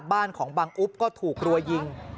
บ้านของบังอุ๊บก็ถูกรัวยิง